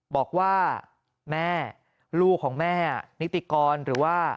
บอกว่าแม่ลูกของแม่นิติกร